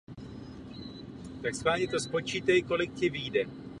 A konečně, jsem přesvědčena, že musíme obnovit program Amani.